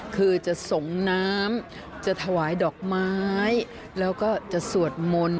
คือจะส่งน้ำจะถวายดอกไม้แล้วก็จะสวดมนต์